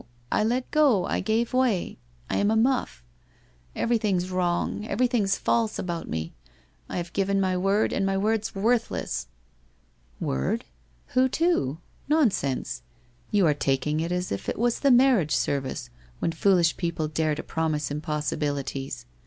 I let go, I gave way, I am a muff. Evenihing's wrong — everything's false about me. I have given my word, and my word's worthless !' 'Word? Who to? Nonsense! You arc taking it as if it was the marriage service, when foolish people dare to promise impossibilities.